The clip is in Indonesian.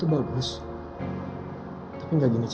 lama banget sih